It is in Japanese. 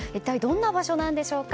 一体、どんな場所なんでしょうか。